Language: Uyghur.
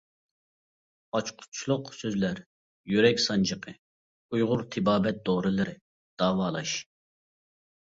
ئاچقۇچلۇق سۆزلەر: يۈرەك سانجىقى، ئۇيغۇر تېبابەت دورىلىرى، داۋالاش.